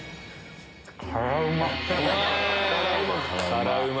辛うま！